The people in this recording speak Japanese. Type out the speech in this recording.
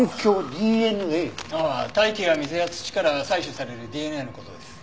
大気や水や土から採取されるＤＮＡの事です。